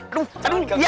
aduh aduh ya